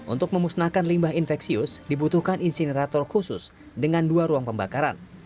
untuk memusnahkan limbah infeksius dibutuhkan insinerator khusus dengan dua ruang pembakaran